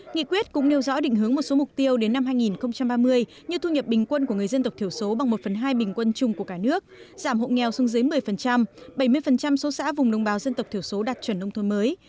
nghị quyết cũng nêu rõ định hướng một số mục tiêu đến năm hai nghìn ba mươi như thu nhập bình quân của người dân tộc thiểu số bằng một phần hai bình quân chung của cả nước giảm hộ nghèo xuống dưới một mươi bảy mươi số xã vùng đồng bào dân tộc thiểu số đạt chuẩn nông thôn mới